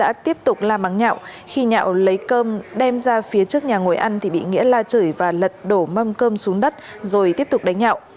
anh đã tiếp tục la mắng nhạo khi nhạo lấy cơm đem ra phía trước nhà ngồi ăn thì bị nghĩa la chửi và lật đổ mâm cơm xuống đất rồi tiếp tục đánh nhạo